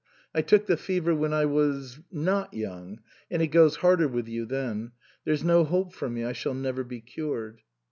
I took the fever when I was not young, and it goes harder with you then. There's no hope for me ; I shall never be cured."